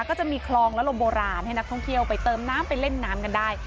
ก็จะมีคลองและลมโบราณให้นักท่องเที่ยวไปเติมน้ำไปเล่นน้ำกันได้